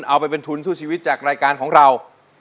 เอาไปเป็นทุนสู้ชีวิตจากรายการของเรา